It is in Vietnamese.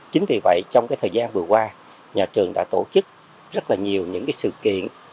chính vì vậy trong thời gian vừa qua nhà trường đã tổ chức rất nhiều sự kiện